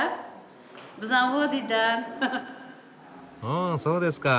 うんそうですか。